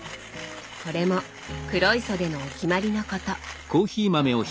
これも黒磯でのお決まりのこと。